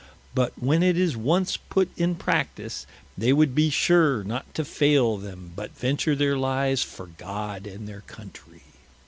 But when it is once put in practice, they would be sure not to faile them, but venture their lives for God and their Countrey.